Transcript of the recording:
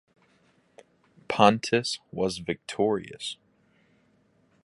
Pontus was victorious.